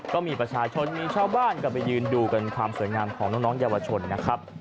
ก็มีประชาชนมีชาวบ้านก็ไปยืนดูกันความสวยงามของน้องเยาวชนนะครับ